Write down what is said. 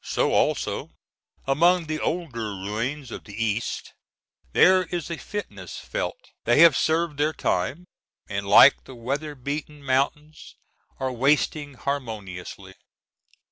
So, also, among the older ruins of the East there is a fitness felt. They have served their time, and like the weather beaten mountains are wasting harmoniously.